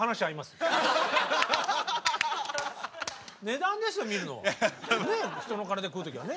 値段ですよ見るのは。